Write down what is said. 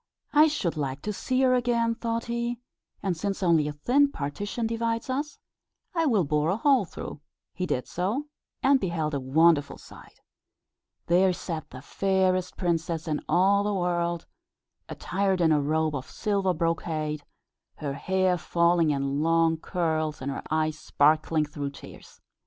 "I should like to see her again," thought he; "and since only a thin partition divides us, I will bore a hole through." He did so, and beheld a wonderful sight. There sat the fairest princess in all the world, attired in a robe of silver brocade, her hair falling in long curls, and her eyes sparkling through tears.